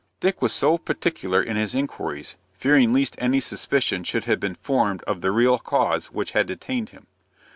Dick was so particular in his inquiries, fearing lest any suspicion should have been formed of the real cause which had detained him.